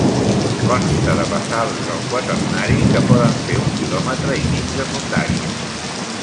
Consta de basalts del quaternari que poden fer un quilòmetre i mig de fondària.